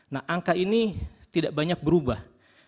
nah angka ini tidak banyak berubah